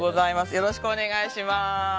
よろしくお願いします。